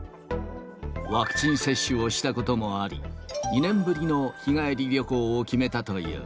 ワクチン接種をしたこともあり、２年ぶりの日帰り旅行を決めたという。